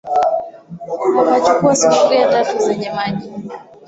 Akachukua sufuria tatu zenye maji.